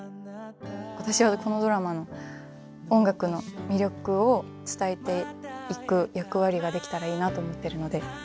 私はこのドラマの音楽の魅力を伝えていく役割ができたらいいなと思ってるので。